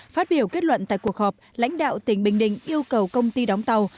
phát biểu kết luận tại cuộc họp lãnh đạo tỉnh bình định yêu cầu công ty đóng tàu